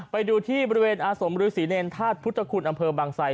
ไปดูที่บริเวณอาสมฤษีเนรธาตุพุทธคุณอำเภอบางไซ